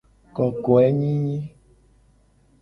Kokoenyinyi.